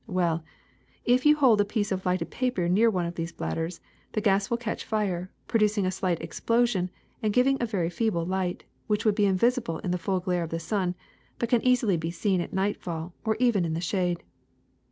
W.ell, if you hold a piece of lighted paper near one of these bladders, the gas will catch fire, producing a slight explosion and giving a verj^ feeble light which would be invisible in the full glare of the sun, but can easily be seen at nightfall or even in the shade.